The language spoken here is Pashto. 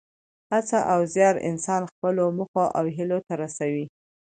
هڅه او زیار انسان خپلو موخو او هیلو ته رسوي.